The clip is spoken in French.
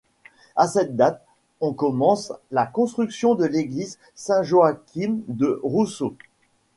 À cette date on commence la construction de l'église Saint-Joachim-de-Rousseau.